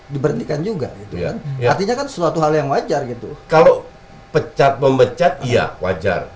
diberhentikan juga gitu kan artinya kan sesuatu hal yang wajar gitu kalau pecat memecat iya wajar